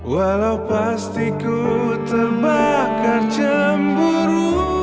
walau pasti ku terbakar cemburu